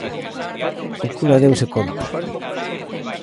O cura deuse conta.